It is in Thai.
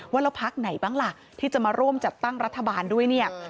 ว่าแล้วพักไหนบ้างล่ะที่จะมาร่วมจัดตั้งรัฐบาลด้วยเนี่ย